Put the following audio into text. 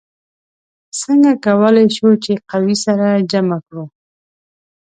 څنګه کولی شو چې قوې سره جمع کړو؟